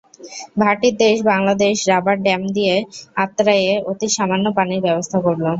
ভাটির দেশ Bangladesh rubber dam দিয়ে আত্রাইয়ে অতি সামান্য পানির ব্যবস্থা করল।